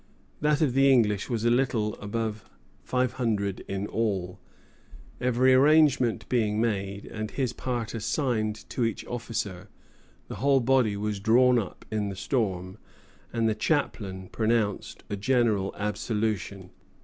That of the English was a little above five hundred in all. Every arrangement being made, and his part assigned to each officer, the whole body was drawn up in the storm, and the chaplain pronounced a general absolution.